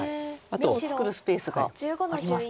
眼を作るスペースがありますか。